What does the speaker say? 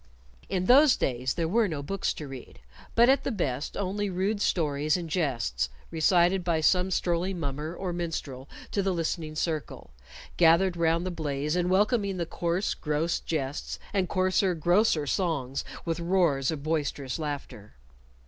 In those days were no books to read, but at the best only rude stories and jests, recited by some strolling mummer or minstrel to the listening circle, gathered around the blaze and welcoming the coarse, gross jests, and coarser, grosser songs with roars of boisterous laughter.